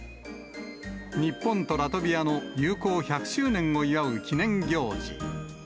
日本とラトビアの友好１００周年を祝う記念行事。